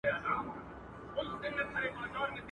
o چي ما در کړه، خداى دې در کړي.